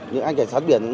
những anh cảnh sát biển